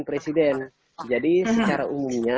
presiden jadi secara umumnya